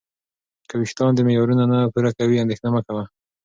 که وېښتان دې معیارونه نه پوره کوي، اندېښنه مه کوه.